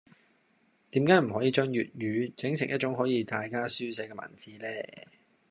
點解唔可以將粵語整成一種可以大家書寫嘅文字呢?